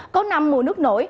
có năm mùa nước nổi